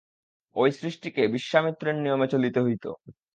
ঐ সৃষ্টিকে বিশ্বামিত্রের নিয়মে চলিতে হইত।